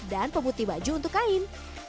dan pemutih baju untuk kain